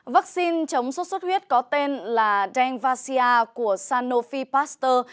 vaccine chống xuất xuất huyết có tên là dengvasia của sanofi pasteur